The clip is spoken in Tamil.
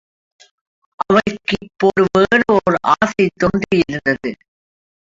அவளுக்கு இப்போது வேறு ஒர் ஆசை தோன்றி யிருந்தது.